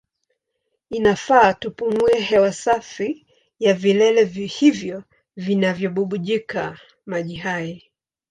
Inafaa tupumue hewa safi ya vilele hivyo vinavyobubujika maji hai.